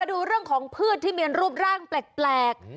ดูเรื่องของพืชที่มีรูปร่างแปลก